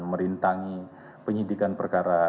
merintangi penyidikan perkara